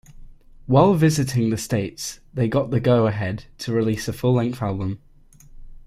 While visiting the States they got the go ahead to release a full-length album.